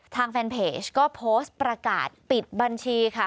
ทางแฟนเพจก็โพสต์ประกาศปิดบัญชีค่ะ